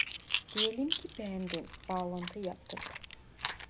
Diyelim ki beğendim bağlantı yaptık